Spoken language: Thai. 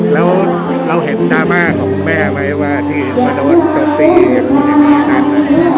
แล้วเราเห็นดราม่าของแม่ไหมว่าที่มาโดนตกตีกับคุณแม่นั้น